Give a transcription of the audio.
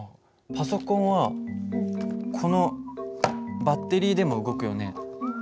パソコンはこのバッテリーでも動くよね。